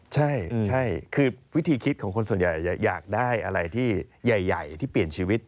ใช่คือวิธีคิดของคนส่วนใหญ่อยากได้อะไรที่ใหญ่ที่เปลี่ยนชีวิต